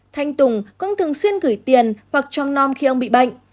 thanh tùng cũng thường xuyên gửi tiền hoặc cho non khi ông bị bệnh